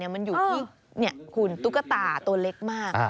มันอยู่ที่คุณตุ๊กตาตัวเล็กมาก